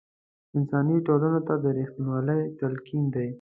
انساني ټولنو ته د رښتینوالۍ تلقین دی.